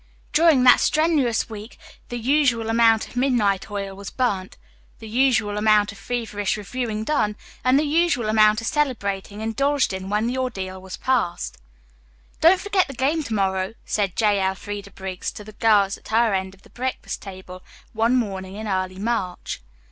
During that strenuous week the usual amount of midnight oil was burnt, the usual amount of feverish reviewing done, and the usual amount of celebrating indulged in when the ordeal was passed. "Don't forget the game to morrow," said J. Elfreda Briggs to the girls at her end of the breakfast table one morning in early March.